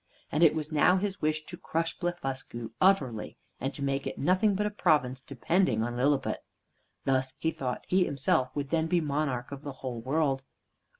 And it was now his wish to crush Blefuscu utterly, and to make it nothing but a province depending on Lilliput. Thus, he thought, he himself would then be monarch of the whole world.